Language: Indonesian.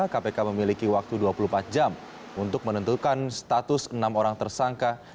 kpk memiliki waktu dua puluh empat jam untuk menentukan status enam orang tersangka